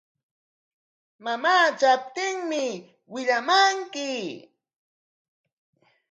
Mamaa tramuptin willamanki.